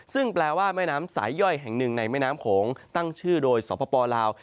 ซึ่งแปลว่าแม่น้ำสายย่อยแห่งหนึ่งในแม่น้ำโขงตั้งชื่อโดยสปลาว